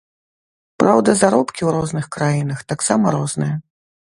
Праўда, заробкі у розных краінах таксама розныя.